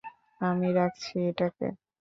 আমি রাখছি এটাকে।